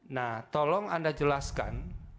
nah tolong anda jelaskan